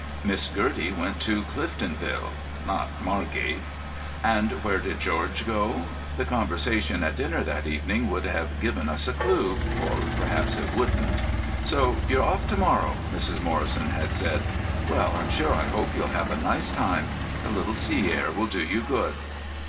Miss Gertie went to Cliftonville—not Margate. And where did George go? The conversation at dinner that evening would have given us a clue; or perhaps it wouldn't. "So you're off to morrow," Mrs. Morrison had said. "Well, I'm sure I hope you'll have a nice time. A little sea air will do you good."